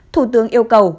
thủ tướng yêu cầu